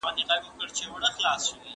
زینک د حجراتو د زیان مخنیوی کوي.